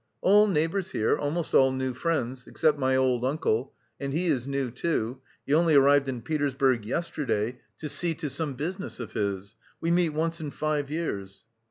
"All neighbours here, almost all new friends, except my old uncle, and he is new too he only arrived in Petersburg yesterday to see to some business of his. We meet once in five years."